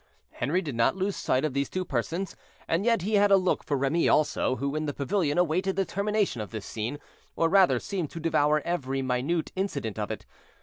Henri did not lose sight of these two persons, and yet he had a look for Remy also, who in the pavilion awaited the termination of this scene, or rather seemed to devour every minute incident of it.